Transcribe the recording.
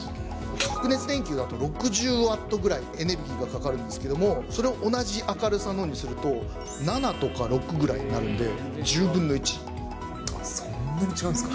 白熱電球だと６０ワットぐらいエネルギーがかかるんですけれども、それを同じ明るさのにすると、７とか６ぐらいになるんで、そんなに違うんですか。